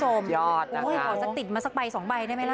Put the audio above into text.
ห๊อจะปิดมาสักใบส่องใบได้ไหมล่ะ